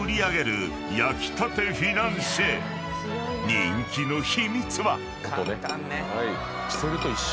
［人気の秘密は］